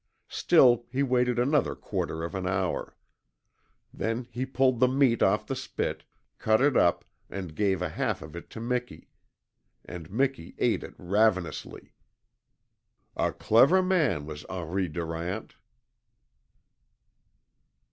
Still he waited another quarter of an hour. Then he pulled the meat off the spit, cut it up, and gave a half of it to Miki. And Miki ate it ravenously. A clever man was Henri Durant!